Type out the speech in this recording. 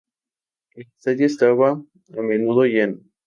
El estadio estaba a menudo lleno.